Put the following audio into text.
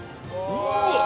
うわっ！